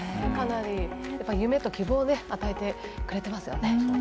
夢と希望を与えてくれていますね。